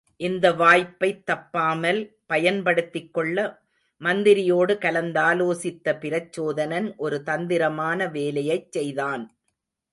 இந்த வாய்ப்பைத் தப்பாமல் பயன்படுத்திக்கொள்ள மந்திரியோடு கலந்தாலோசித்த பிரச்சோதனன் ஒரு தந்திரமான வேலையைச் செய்தான்.